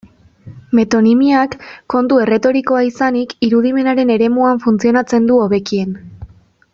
Metonimiak, kontu erretorikoa izanik, irudimenaren eremuan funtzionatzen du hobekien.